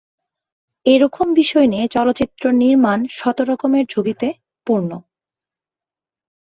এ রকম বিষয় নিয়ে চলচ্চিত্র নির্মাণ শত রকমের ঝুঁকিতে পূর্ণ।